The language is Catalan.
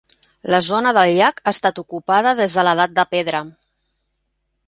La zona del llac ha estat ocupada des de l'Edat de Pedra.